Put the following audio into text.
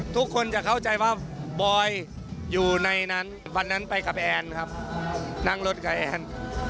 ทุกคนจะเข้าใจว่าบอยอยู่ในนั้นวันนั้นไปกับแอนครับนั่งรถกับแอน